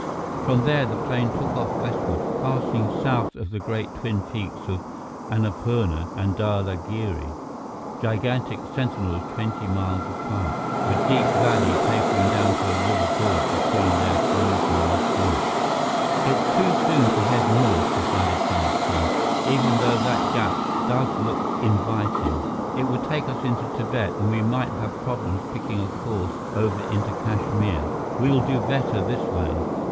From there, the plane took off westward, passing south of the great twin peaks of Annapurna and Dhaulagiri, gigantic sentinels twenty miles apart, with a deep valley tapering down to a river gorge between their five mile summits. "It's too soon to head north," decided Charles Keene, "even though that gap does look inviting. It would take us into Tibet, and we might have problems picking a course over into Kashmir. We'll do better this way."